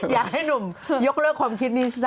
อยากให้หนุ่มยกเลิกความคิดนี้ซะ